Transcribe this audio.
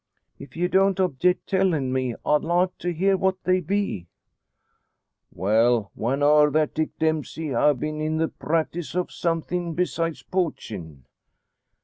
"If ye don't object tellin' me, I'd like to hear what they be." "Well, one are, that Dick Dempsey ha' been in the practice of somethin' besides poachin'."